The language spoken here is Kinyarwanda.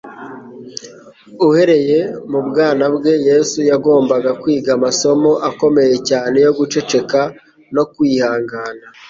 Uhereye mu bwana bwe, Yesu yagombaga kwiga amasomo akomeye cyane yo guceceka no kwihangana.